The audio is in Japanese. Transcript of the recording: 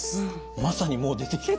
まさにもう出てきました。